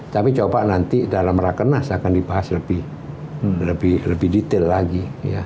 tapi coba nanti dalam rakenas akan dibahas lebih detail lagi